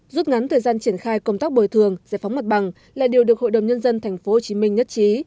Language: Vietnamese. rút ngắn thời gian triển khai công tác bồi thường giải phóng mặt bằng là điều được hội đồng nhân dân tp hcm nhất trí